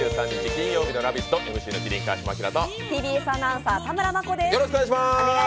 金曜日の「ラヴィット！」、ＭＣの麒麟・川島明とＴＢＳアナウンサー田村真子です。